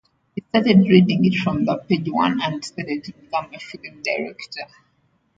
He started reading it from page one and decided to become a film director.